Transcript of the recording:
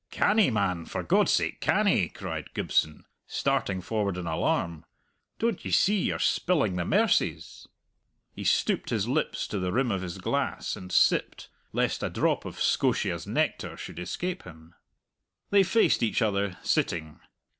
"Canny, man, for God's sake canny!" cried Gibson, starting forward in alarm. "Don't ye see you're spilling the mercies?" He stooped his lips to the rim of his glass, and sipped, lest a drop of Scotia's nectar should escape him. They faced each other, sitting.